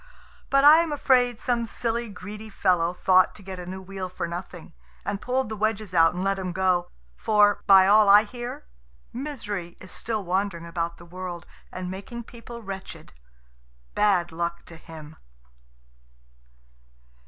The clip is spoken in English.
But I am afraid some silly, greedy fellow thought to get a new wheel for nothing, and pulled the wedges out and let him go; for, by all I hear, Misery is still wandering about the world and making people wretched bad luck to him!